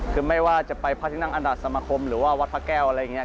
คือไม่ว่าจะไปพระที่นั่งอันดาสมคมหรือว่าวัดพระแก้วอะไรอย่างนี้